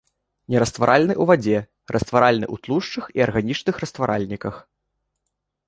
Нерастваральны ў вадзе, растваральны ў тлушчах і арганічных растваральніках.